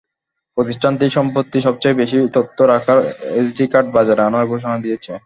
প্রতিষ্ঠানটি সম্প্রতি সবচেয়ে বেশি তথ্য রাখার এসডি কার্ড বাজারে আনার ঘোষণা দিয়েছে।